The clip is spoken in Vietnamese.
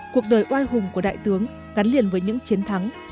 cuộc đời oai hùng của đại tướng gắn liền với những chiến thắng